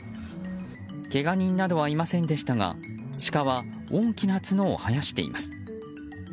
けが人などはいませんでしたがシカは大きな角を生やしています。